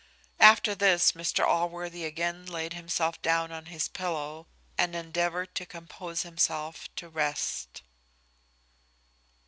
After this Mr Allworthy again laid himself down on his pillow, and endeavoured to compose himself to rest.